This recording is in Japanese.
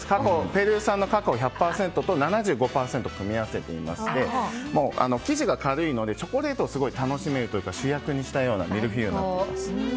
ペルー産のカカオ１００％と７５％を組み合わせていまして生地が軽いのでチョコレートを楽しめるというか主役にしたようなミルフィーユになっています。